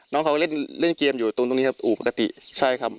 น้องเขาเล่นเล่นเกมอยู่ตรงตรงนี้ครับอู่ปกติใช่ครับ